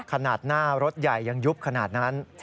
ขนาดหน้ารถใหญ่ยังยุบขนาดนั้น